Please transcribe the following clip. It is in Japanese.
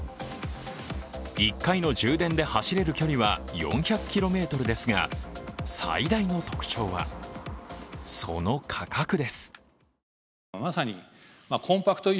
１回の充電で走れる距離は４００ｋｍですが、最大の特徴は、その価格です。